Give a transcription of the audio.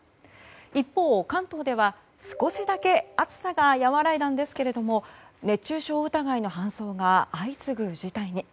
一方、関東では少しだけ暑さが和らいだんですけれども熱中症疑いの搬送が相次ぐ事態に。